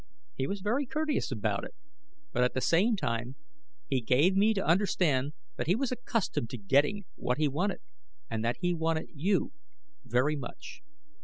He was very courteous about it; but at the same time he gave me to understand that he was accustomed to getting what he wanted and that he wanted you very much.